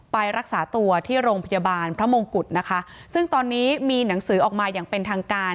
ไปรักษาตัวที่โรงพยาบาลพระมงกุฎนะคะซึ่งตอนนี้มีหนังสือออกมาอย่างเป็นทางการ